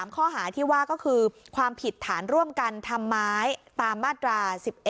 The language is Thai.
ข้อหาที่ว่าก็คือความผิดฐานร่วมกันทำร้ายตามมาตรา๑๑